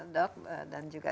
dok dan juga